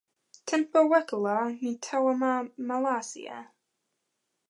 tenpo weka la mi tawa ma Malasija.